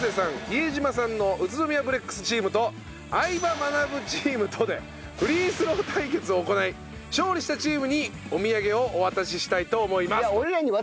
比江島さんの宇都宮ブレックスチームと相葉マナブチームとでフリースロー対決を行い勝利したチームにお土産をお渡ししたいと思います。